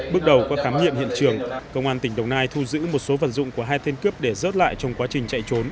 bước đầu qua khám nghiệm hiện trường công an tỉnh đồng nai thu giữ một số vật dụng của hai tên cướp để rớt lại trong quá trình chạy trốn